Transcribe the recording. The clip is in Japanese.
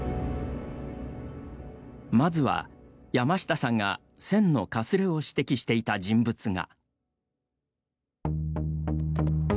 まずは、山下さんが線のかすれを指摘していた人物画。